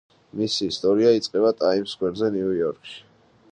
მისი ისტორია იწყება ტაიმს სკვერზე, ნიუ-იორკში.